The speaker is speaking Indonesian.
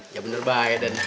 ya bener baik den